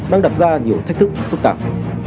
đang đặt ra nhiều thách thức phức tạp